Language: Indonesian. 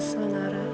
ada gitu juga ya